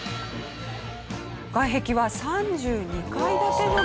外壁は３２階建てのビル。